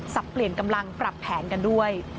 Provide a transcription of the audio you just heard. เปลี่ยนกำลังปรับแผนกันด้วย